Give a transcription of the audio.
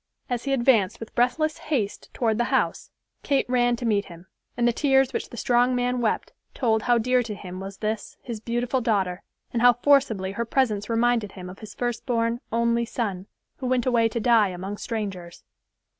As he advanced with breathless haste toward the house, Kate ran to meet him, and the tears which the strong man wept, told how dear to him was this, his beautiful daughter, and how forcibly her presence reminded him of his first born, only son, who went away to die among strangers.